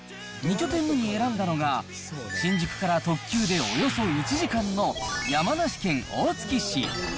２拠点目に選んだのが、新宿から特急でおよそ１時間の山梨県大月市。